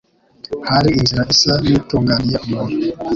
Hari inzira isa n’itunganiye umuntu